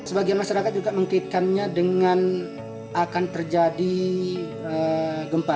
sebagian masyarakat juga mengkaitkannya dengan akan terjadi gempa